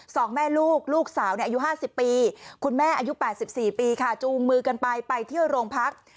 สองแม่ลูกลูกสาวอายุ๕๐ปีคุณแม่อายุ๘๔ปีค่ะจูงมือกันไปไปเที่ยวโรงพัก